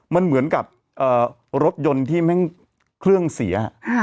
มันเหมือนกับรถยนต์ที่แม่งเครื่องเสีย